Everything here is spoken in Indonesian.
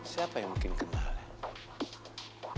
siapa yang mungkin kenalnya